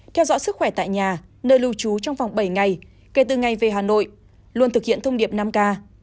theo dõi sức khỏe tại nhà nơi lưu trú trong vòng bảy ngày kể từ ngày về hà nội luôn thực hiện thông điệp năm k